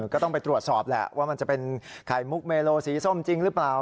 ก็ต้องไปตรวจสอบแหละว่ามันจะเป็นไข่มุกเมโลสีส้มจริงหรือเปล่า